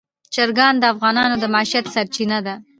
چرګان د افغانانو د معیشت سرچینه ده.